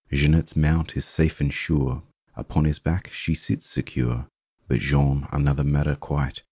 Jeanette's mount is safe and sure, Upon his back she sits secure. But Jean—another matter, quite!